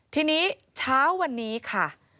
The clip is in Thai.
ทีนี้เช้าวันนี้ค่ะ